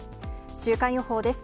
週間予報です。